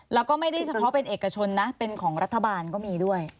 แล้วก็ไม่ได้เฉพาะเป็นเอกชนนะเป็นของรัฐบาลก็มีด้วย